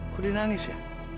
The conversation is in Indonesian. gue dinangis ya